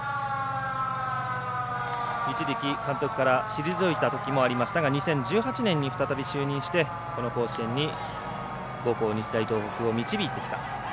一時期、監督から退いたときもありましたが２０１８年に再び就任してこの甲子園に母校、日大東北を導いてきた。